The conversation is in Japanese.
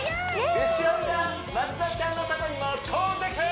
潮ちゃん松田ちゃんのとこにも飛んでけー！